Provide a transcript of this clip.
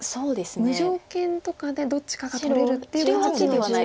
無条件とかでどっちかが取れるってわけでは。っていうわけではない。